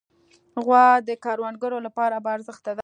غوا د کروندګرو لپاره باارزښته ده.